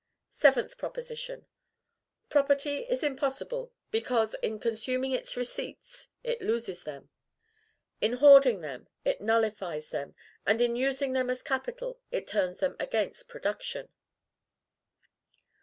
SEVENTH PROPOSITION. _Property is impossible, because, in consuming its Receipts, it loses them; in hoarding them, it nullifies them; and in using them as Capital, it turns them against Production_.